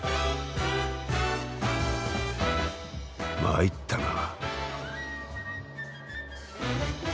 まいったな。